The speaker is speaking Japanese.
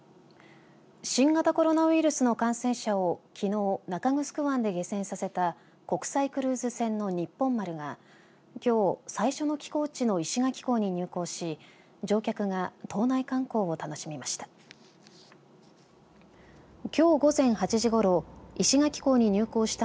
新型コロナウイルスの感染者をきのう中城湾で下船させた国際クルーズ船のにっぽん丸がきょう、最初の寄港地の石垣港に入港し乗客が島内観光を楽しみました。